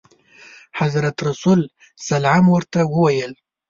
حضرت رسول صلعم ورته وویل.